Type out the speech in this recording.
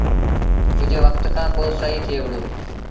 ڪجھ وکت کآݩ پو سهيٚ ٿئي وهُڙو۔